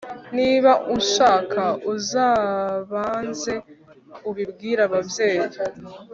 Niba unshaka uzabanze ubibwire ababyeyi